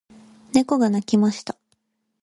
猫が鳴きました。